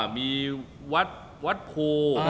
มีวัดวัดโพ